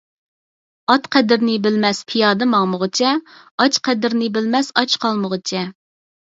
ئات قەدرىنى بىلمەس پىيادە ماڭمىغۇچە، ئاچ قەدرىنى بىلمەس ئاچ قالمىغۇچە.